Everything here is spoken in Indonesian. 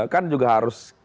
kan juga harus